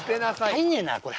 入んねえなこれ。